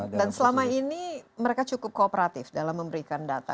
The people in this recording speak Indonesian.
dan selama ini mereka cukup kooperatif dalam memberikan data